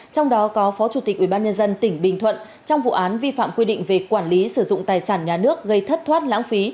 trong đó có phó chủ tịch ubnd tỉnh bình thuận trong vụ án vi phạm quy định về quản lý sử dụng tài sản nhà nước gây thất thoát lãng phí